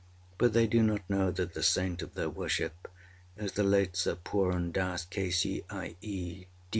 But they do not know that the saint of their worship is the late Sir Purun Dass, K.C.I.E.